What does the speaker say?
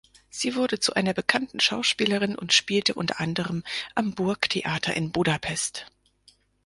Sie wurde zu einer bekannten Schauspielerin und spielte unter anderem am Burgtheater in Budapest.